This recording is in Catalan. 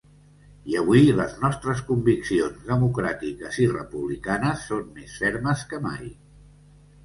I avui les nostres conviccions democràtiques i republicanes són més fermes que mai.